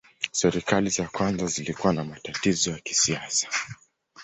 Serikali za kwanza zilikuwa na matatizo ya kisiasa.